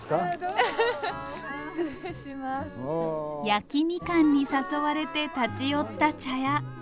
焼きみかんに誘われて立ち寄った茶屋。